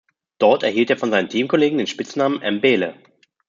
Dort erhielt er von seinen Teamkollegen den Spitznamen "M´bele".